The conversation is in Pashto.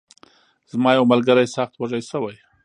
زما یو ملګری سخت وږی شوی.